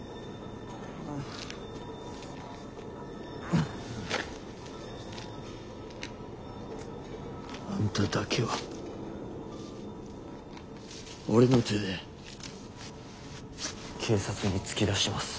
あんただけは俺の手で警察に突き出します。